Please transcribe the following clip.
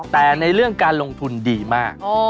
แต่ในเรื่องการลงทุนดีมาก